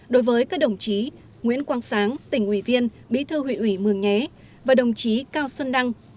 đối với các đồng chí nguyễn quang sáng tỉnh ủy viên bí thư hủy ủy mường nhé và đồng chí cao xuân đăng